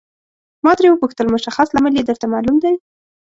ما ترې وپوښتل مشخص لامل یې درته معلوم دی.